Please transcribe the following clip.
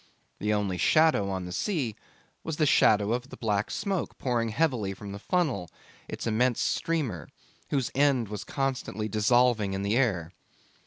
The only shadow on the sea was the shadow of the black smoke pouring heavily from the funnel its immense streamer, whose end was constantly dissolving in the air.